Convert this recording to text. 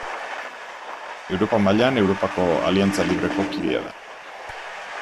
Europa mailan Europako Aliantza Libreko kidea da.